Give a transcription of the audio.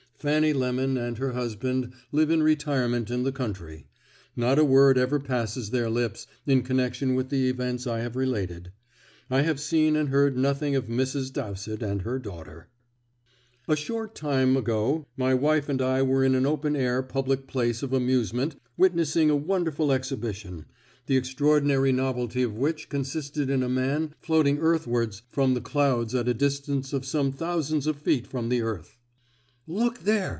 Fanny Lemon and her husband live in retirement in the country. Not a word ever passes their lips in connection with the events I have related. I have seen and heard nothing of Mrs. Dowsett and her daughter. A short time ago my wife and I were in an open air public place of amusement witnessing a wonderful exhibition, the extraordinary novelty of which consisted in a man floating earthwards from the clouds at a distance of some thousands of feet from the earth. "Look there!"